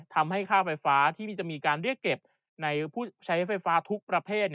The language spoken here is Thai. ทำให้ค่าไฟฟ้าที่จะมีการเรียกเก็บในผู้ใช้ไฟฟ้าทุกประเภท